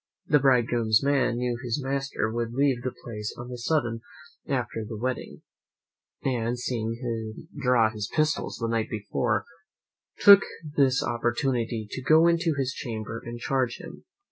The bridegroom's man knew his master would leave the place on a sudden after the wedding, and seeing him draw his pistols the night before, took this opportunity to go into his chamber and charge them.